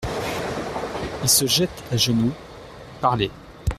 Il se jette à genoux…" Parlé.